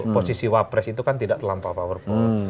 posisi wapres itu kan tidak terlampau powerful